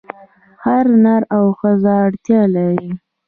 هر نر او ښځه اړتیا لري.